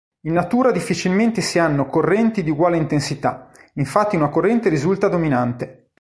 In natura difficilmente si hanno correnti di uguale intensità, infatti una corrente risulta dominante.